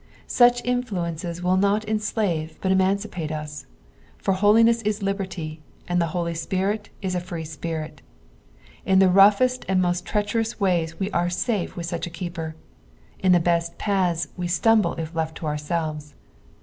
Such influences will not enslave but cmuncipnte us ; for holiness is liberty, and the Holy Spirit is a tree Spirit. In the roughest and most treacherous ways we are safe with such a keeper ; in the best paths we stumble if left to ourselves.